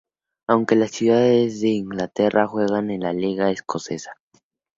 Aunque la ciudad es de Inglaterra, juegan en la liga escocesa.